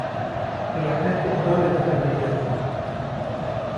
rehmet û adanê dixe dinyayê.